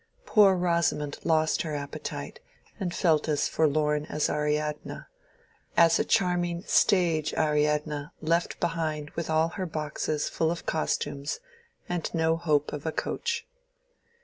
Poor Rosamond lost her appetite and felt as forlorn as Ariadne—as a charming stage Ariadne left behind with all her boxes full of costumes and no hope of a coach.